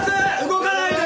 動かないで！